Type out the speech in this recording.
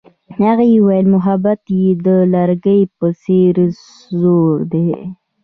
هغې وویل محبت یې د لرګی په څېر ژور دی.